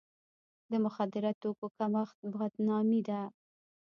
د مخدره توکو کښت بدنامي ده.